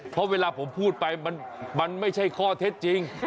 เพราะเวลาผมพูดไปมันไม่ใช่ข้อเท็จจริง